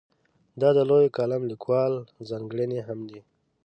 دا د لویو کالم لیکوالو ځانګړنې هم دي.